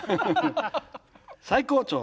最高潮！